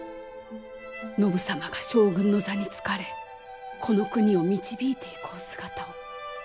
信様が将軍の座に就かれこの国を導いていくお姿を。